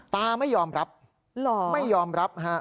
ไม่ยอมรับไม่ยอมรับฮะ